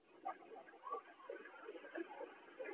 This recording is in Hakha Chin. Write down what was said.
Na pa nih ruul a thah.